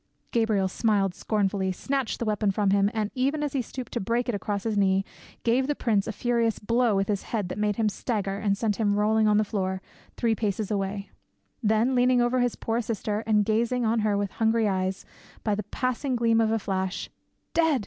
Gabriel smiled scornfully, snatched the weapon from him, and even as he stooped to break it across his knee, gave the prince a furious blow with his head that made him stagger and sent him rolling on the floor, three paces away; then, leaning over his poor sister and gazing on her with hungry eyes, by the passing gleam of a flash, "Dead!"